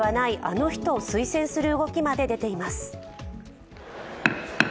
議員ではない、あの人を推薦する動きまで出ています。